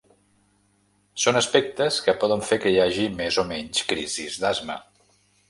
Són aspectes que poden fer que hi hagi més o menys crisis d’asma.